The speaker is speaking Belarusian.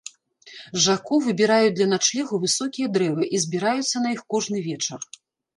Жако выбіраюць для начлегу высокія дрэвы і збіраюцца на іх кожны вечар.